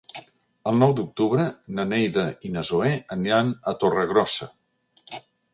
El nou d'octubre na Neida i na Zoè aniran a Torregrossa.